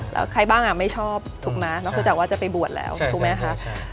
แล้วใครบ้างไม่ชอบถูกนะนอกจากว่าจะไปบวชแล้วถูกไหมคะ